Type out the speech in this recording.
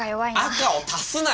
赤を足すなよ！